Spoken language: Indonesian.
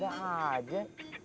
gak ada aja